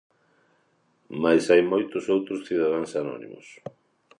Mais hai moitos outros de cidadáns anónimos.